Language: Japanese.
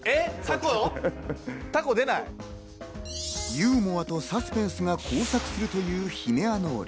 ユーモアとサスペンスが交錯するという『ヒメアノル』。